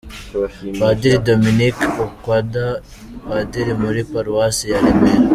Padiri Dominick Okwadha : Padiri muri Paruwasi ya Remera.